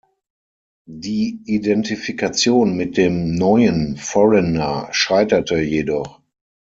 Die Identifikation mit dem „neuen“ Foreigner scheiterte jedoch.